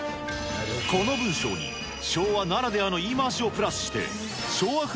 この文章に昭和ならではの言い回しをプラスして、昭和風